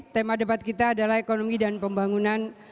tema debat kita adalah ekonomi dan pembangunan